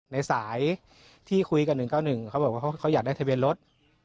ในสายที่คุยกัน๑๙๑เขาบอกว่าเขาอยากได้ทะเบียนรถ